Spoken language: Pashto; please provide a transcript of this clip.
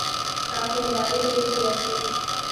هغه په موبايل کې ګوتې ووهلې.